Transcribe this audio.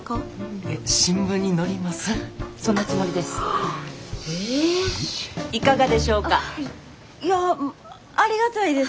いやありがたいです。